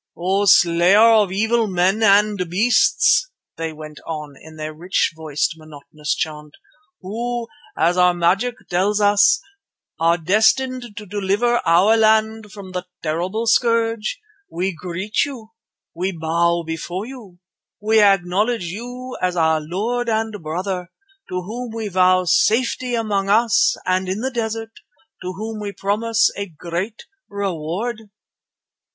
"O Slayer of evil men and beasts!" they went on, in their rich voiced, monotonous chant, "who, as our magic tells us, are destined to deliver our land from the terrible scourge, we greet you, we bow before you, we acknowledge you as our lord and brother, to whom we vow safety among us and in the desert, to whom we promise a great reward."